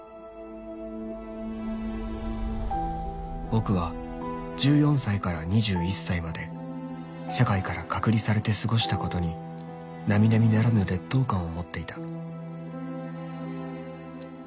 「僕は十四歳から二十一歳まで社会から隔離されて過ごしたことに並々ならぬ劣等感を持っていた」